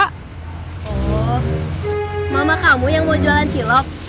mama kamu yang mau jualan cilok